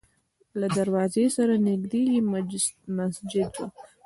له دروازې سره نږدې یې مسجد و.